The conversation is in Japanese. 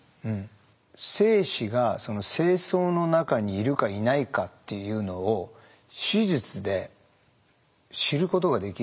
精子が精巣の中にいるかいないかっていうのを手術で知ることができる。